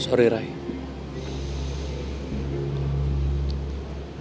apa yang dipaksa minta itu